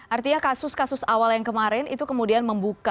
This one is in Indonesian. artinya kasus kasus awal yang kemarin itu kemudian membuka